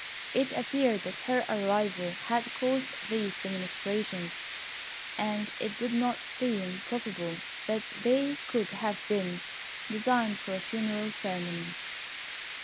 It appeared that her arrival had caused these demonstrations, and it did not seem probable that they could have been designed for a funeral ceremony.